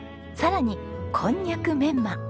さらにこんにゃくメンマ。